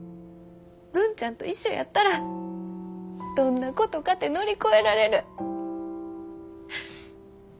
文ちゃんと一緒やったらどんなことかて乗り越えられる。